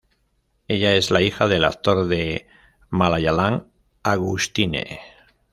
Ella es la hija del actor de Malayalam, Augustine.